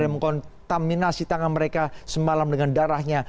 yang mengkontaminasi tangan mereka semalam dengan darahnya